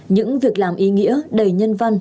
những việc làm ý nghĩa đầy nhân văn